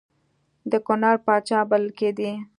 د کنړ پاچا بلل کېدی.